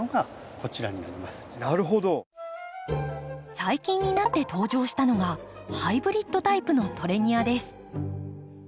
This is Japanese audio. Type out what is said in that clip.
最近になって登場したのがハイブリッドタイプのトレニアです。